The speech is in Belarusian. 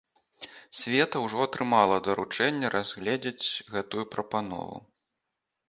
Савета ўжо атрымала даручэнне разгледзець гэтую прапанову.